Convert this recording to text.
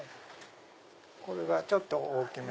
これがちょっと大きめ。